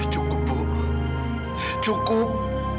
cukup bu cukup